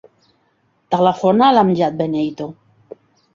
Telefona a l'Amjad Beneito.